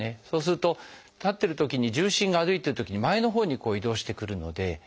そうすると立ってるときに重心が歩いてるときに前のほうに移動してくるので。